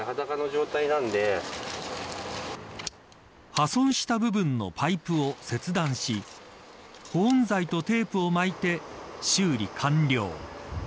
破損した部分のパイプを切断し保温材とテープを巻いて修理完了。